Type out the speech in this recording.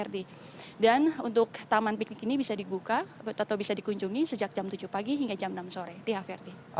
dan untuk taman piknik ini bisa dibuka atau bisa dikunjungi sejak jam tujuh pagi hingga jam enam sore